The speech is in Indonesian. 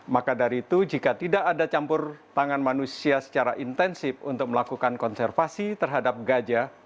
maka dari itu jika tidak ada campur tangan manusia secara intensif untuk melakukan konservasi terhadap gajah